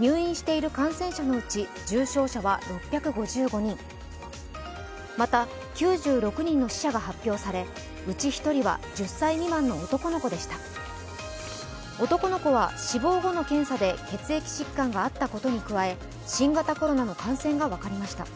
入院している感染者のうち重症者は６５５人また９６人の死者が発表されうち１人は１０歳未満の男の子でした男の子は死亡後の検査で血液疾患があったことに加え新型コロナの感染が分かりました。